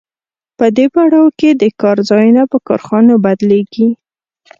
په دې پړاو کې د کار ځایونه په کارخانو بدلېږي